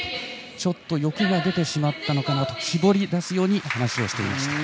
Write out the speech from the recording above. ちょっと欲が出てしまったかなと絞り出すように話していました。